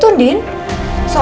maksudnya memang kayak begitu din